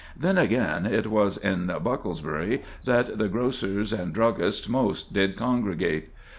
Then, again, it was in Bucklersbury that the grocers and druggists most did congregate.